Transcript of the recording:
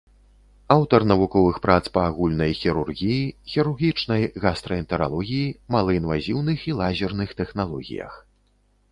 Аўтар навуковых прац па агульнай хірургіі, хірургічнай гастраэнтэралогіі, малаінвазіўных і лазерных тэхналогіях.